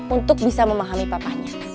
untuk bisa memahami papanya